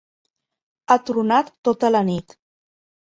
Ha tronat tota la nit.